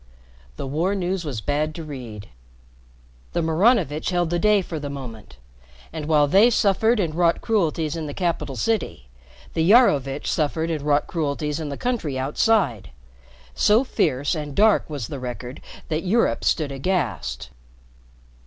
The war news was bad to read. The Maranovitch held the day for the moment, and while they suffered and wrought cruelties in the capital city, the Iarovitch suffered and wrought cruelties in the country outside. So fierce and dark was the record that Europe stood aghast.